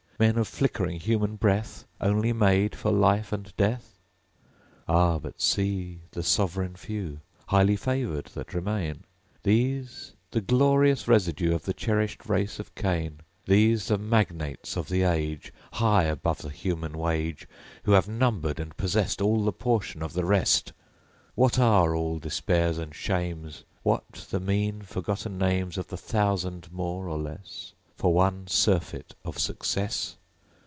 Men, of flickering human breath, Only made for life and death? Ah, but see the sovereign Few, Highly favored, that remain! These, the glorious residue, Of the cherished race of Cain. These, the magnates of the age, High above the human wage, Who have numbered and possesst All the portion of the rest! What are all despairs and shames, What the mean, forgotten names Of the thousand more or less, For one surfeit of success?